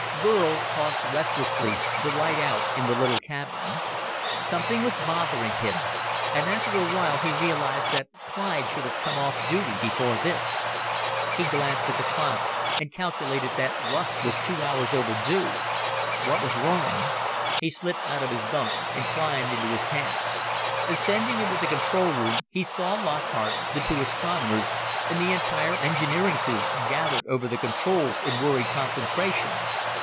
Burl tossed restlessly, the light out in the little cabin. Something was bothering him, and after a while he realized that Clyde should have come off duty before this. He glanced at the clock and calculated that Russ was two hours overdue. What was wrong? He slipped out of his bunk and climbed into his pants. Ascending into the control room, he saw Lockhart, the two astronomers, and the entire engineering crew gathered over the controls in worried concentration.